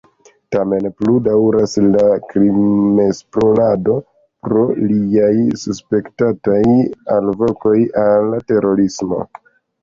Tamen plu daŭras la krimesplorado pro liaj suspektataj “alvokoj al terorismo”.